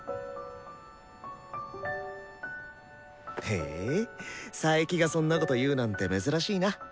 へえ佐伯がそんなこと言うなんて珍しいな。